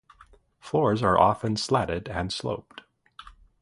Floors are often slatted and sloped.